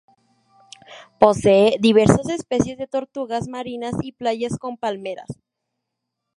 Posee diversas especies de tortugas marinas y playas con palmeras.